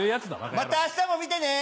また明日も見てね！